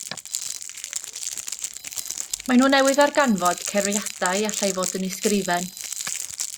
Maen nhw newydd ddarganfod cerfiadau allai fod yn ysgrifen.